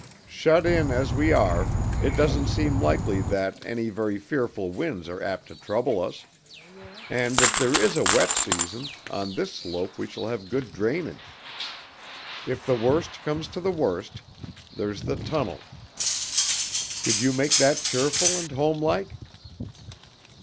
Shut in as we are, it doesn't seem likely that any very fearful winds are apt to trouble us; and if there is a wet season, on this slope we shall have good drainage. If the worst comes to the worst, there's the tunnel. Could you make that cheerful and homelike?"